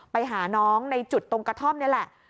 ไปหาน้องในจุดตรงกระท่อมนี่แหละ